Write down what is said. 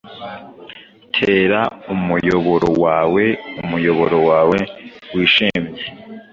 Tera umuyoboro wawe, umuyoboro wawe wishimye;